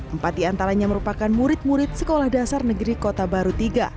empat diantaranya merupakan murid murid sekolah dasar negeri kota baru tiga